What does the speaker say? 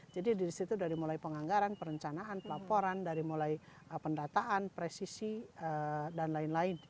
jadi dari situ mulai penganggaran perencanaan pelaporan dari mulai pendataan presisi dan lain lain